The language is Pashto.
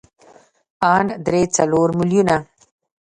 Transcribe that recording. ان درې څلور ميليونه.